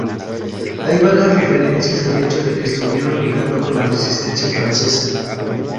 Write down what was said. Hay vagas referencias al hecho de que estuviera ligado con la Resistencia francesa.